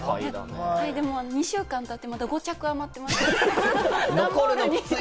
２週間経って、まだ５着は残ってます。